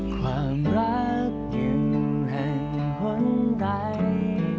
ความรักอยู่แห่งหล่นใจ